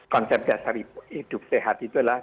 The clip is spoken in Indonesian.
konsep dasar hidup sehat itu adalah